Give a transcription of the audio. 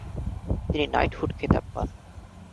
তিনি নাইটহুড খেতাব পান।